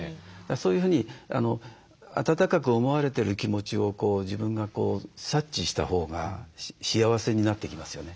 そういうふうに温かく思われてる気持ちを自分が察知したほうが幸せになっていきますよね。